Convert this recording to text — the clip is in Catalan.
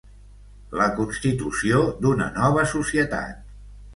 La constitució d'una nova societat.